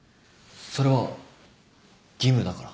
それは義務だから。